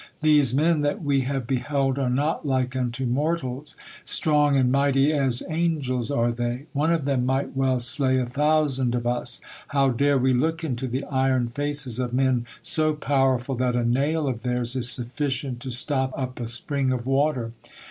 These men that we have beheld are not like unto mortals. Strong and mighty as angels are they; one of them might well slay a thousand of us. How dare we look into the iron faces of men so powerful that a nail of theirs is sufficient to stop up a spring of water!"